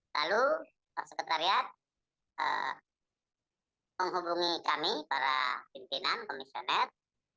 lalu pak sekretariat menghubungi kami para pimpinan komisioner